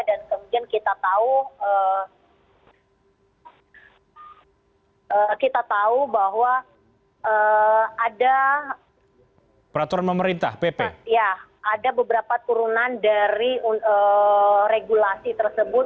dan kemudian kita tahu bahwa ada beberapa turunan dari regulasi tersebut